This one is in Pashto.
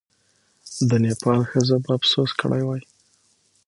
د نېپال ښځو به افسوس کړی وي.